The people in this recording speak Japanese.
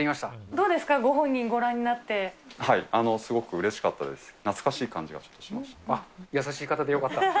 どうですか、ご本人、ご覧にすごくうれしかったです。